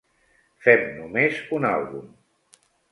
Fem només un àlbum.